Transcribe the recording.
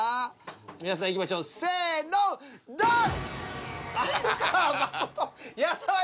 皆さんいきましょうせのドン！